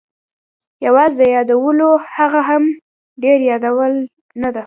یوازې د یادولو، هغه هم ډېر یادول نه.